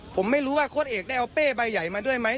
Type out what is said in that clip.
ผมไม่รู้ว่าโค้ดเอกได้เอาเป้ใบใหญ่มาด้วยไหม